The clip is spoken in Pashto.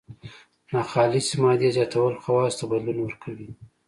ناخالصې مادې زیاتول خواصو ته بدلون ورکوي.